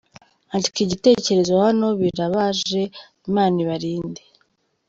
Andika Igitekerezo Hano birabaje imana ibarinde.